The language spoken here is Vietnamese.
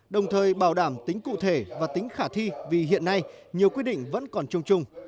đồng thời bảo đảm tính cụ thể và tính khả thi vì hiện nay nhiều quy định vẫn còn chung chung